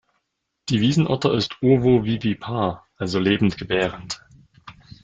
Die Wiesenotter ist ovovivipar, also lebendgebärend.